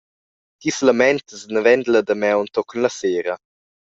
Ti selamentas naven dalla damaun tochen la sera.